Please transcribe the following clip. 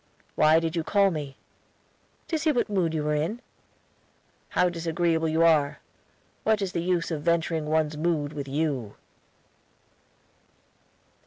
"Why did you call me?" "To see what mood you were in." "How disagreeable you are! What is the use of venturing one's mood with you?"